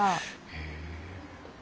へえ。